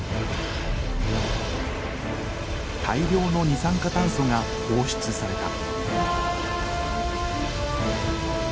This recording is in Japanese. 大量の二酸化炭素が放出された。